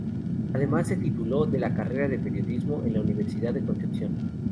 Además se tituló de la carrera de periodismo en la Universidad de Concepción.